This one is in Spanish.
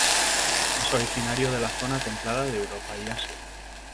Es originario de la zona templada de Europa y Asia.